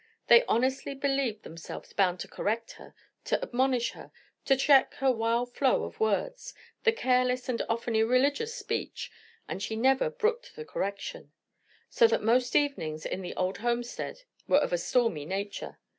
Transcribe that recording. They honestly believed themselves bound to correct her, to admonish her, to check her wild flow of words, the careless and often irreligious speech, and she never brooked the correction; so that most evenings in the old homestead were of a stormy nature.